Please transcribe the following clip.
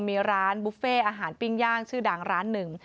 มีร้านบุฟเฟ่อาหารปิ้งย่างชื่อดังร้านหนึ่ง